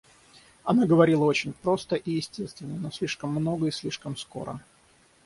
Она говорила очень просто и естественно, но слишком много и слишком скоро.